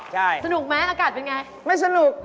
เหรอครับสนุกไหมอากาศเป็นอย่างไรนะครับอเจมส์ครับไม่สนุก